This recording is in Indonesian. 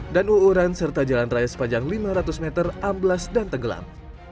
dan uuran serta jalan raya sepanjang lima ratus meter amblas dan tenggelam